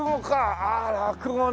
ああ落語ね。